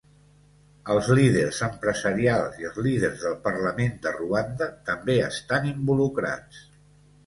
Els líders empresarials i els líders del parlament de Ruanda també estan involucrats.